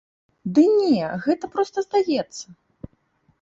Ды не, гэта проста здаецца.